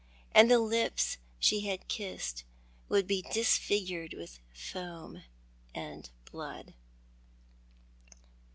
93 and the lips she had kissed would be disfigured with foam and blood.